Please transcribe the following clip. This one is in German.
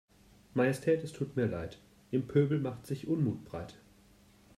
Majestät es tut mir Leid, im Pöbel macht sich Unmut breit.